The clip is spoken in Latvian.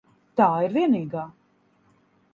Tā ir vienīgā.